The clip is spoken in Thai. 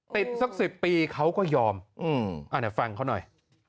ติดสัก๑๐ปีเขาก็ยอมฟังเขาหน่อย